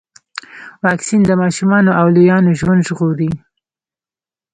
واکسین د ماشومانو او لویانو ژوند ژغوري.